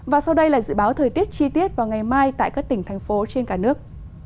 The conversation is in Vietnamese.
và sau đây là dự báo thời tiết chi tiết vào ngày mai tại các tỉnh thành phố trên cả nước